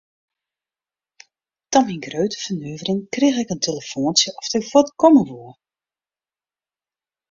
Ta myn grutte fernuvering krige ik in telefoantsje oft ik fuort komme woe.